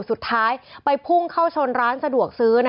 สุดท้ายไปพุ่งเข้าชนร้านสะดวกซื้อ